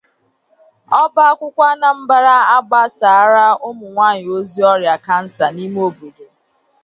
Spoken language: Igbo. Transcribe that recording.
Ọba Akwụkwọ Anambra Agbasàárá Ụmụnyaanyị Ozi Ọrịa Kansà n'Ime Obobo